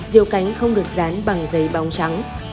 diều cánh không được dán bằng giấy bóng trắng